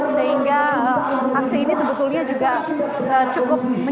sehingga aksi ini sebetulnya juga cukup